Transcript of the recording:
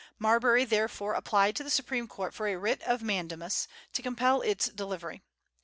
Marbury therefore applied to the Supreme Court for a writ of mandamus to compel its delivery.